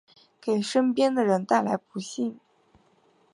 给身边的人带来不幸